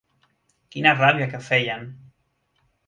Quina ràbia que feien!